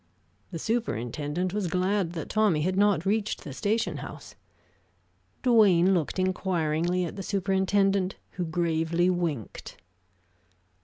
The superintendent was glad that Tommy had not reached the station house. Duane looked inquiringly at the superintendent, who gravely winked.